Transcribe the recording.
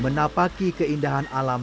menapaki keindahan alam